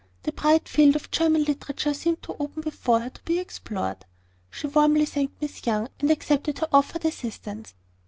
The bright field of German literature seemed to open before her to be explored. She warmly thanked Miss Young, and accepted her offered assistance.